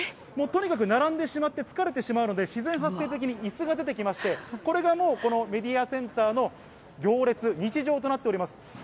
もうとにかく並んでしまって疲れてしまうので、自然発生的にいすが出てきまして、これがもうこのメディアセンターの行列、日常となっております。